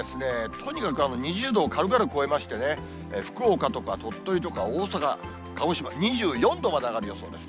とにかく２０度を軽々超えましてね、福岡とか鳥取とか大阪、鹿児島、２４度まで上がる予想です。